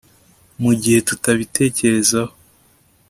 mugihe tutabitezeho